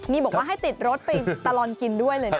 นี่บอกว่าให้ติดรถไปตลอดกินด้วยเลยนะ